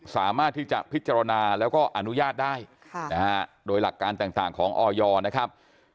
สามารถที่จะพิจารณาแล้วก็อนุญาตได้โดยหลักการต่างของออยนะครับ